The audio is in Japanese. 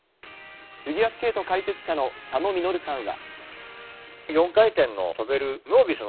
フィギュアスケート解説者の佐野稔さんは。